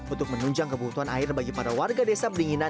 untuk menunjang kebutuhan air bagi para warga desa beringinan